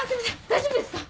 大丈夫ですか？